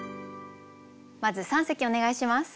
まず三席お願いします。